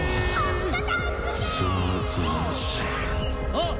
あっ！